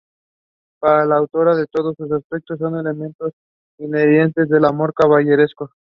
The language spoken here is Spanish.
Para la autora todos estos aspectos son elementos inherentes al amor caballeresco.